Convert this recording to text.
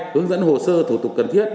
hướng dẫn hồ sơ thủ tục cần thiết